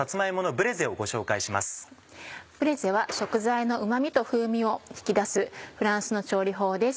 ブレゼは食材のうま味と風味を引き出すフランスの調理法です。